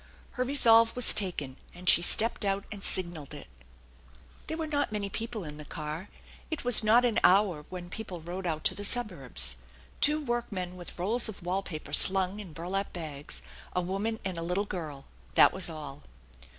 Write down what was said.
Het resolve was taken, and she stepped out and signalled it. There were not many people in the car. It was not an hour when people rode out to the suburbs. Two workmen with rolls of wall paper slung in burlap bags, a woman and a little girl, that was all.